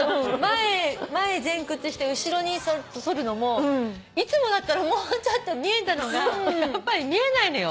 前前屈して後ろにそるのもいつもだったらもうちょっと見えたのが見えないのよ。